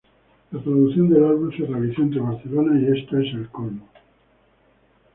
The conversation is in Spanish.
La producción del álbum se realizó entre Barcelona y Estocolmo.